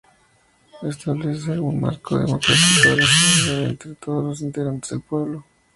Establece un marco democrático de solidaridad entre todos los integrantes del pueblo gallego.